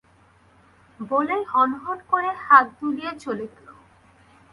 বলেই হন হন করে হাত দুলিয়ে চলে গেল।